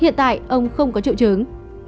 hiện tại ông không có triệu chứng